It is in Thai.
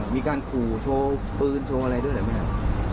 มีการขู่โทรปืนโทรอะไรด้วยหรือไม่หรือ